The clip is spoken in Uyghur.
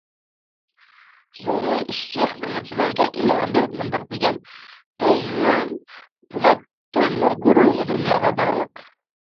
زۇڭلى ئىشچى- خىزمەتچىلەرگە ئىلھام بېرىپ مۇنداق دېگەن: تەييۈەن پولات- تۆمۈر گۇرۇھى دۇنياغا داڭلىق.